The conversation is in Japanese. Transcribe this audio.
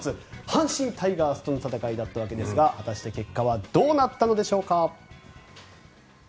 阪神タイガースの戦いでしたが果たして結果はどうなったのでしょうか。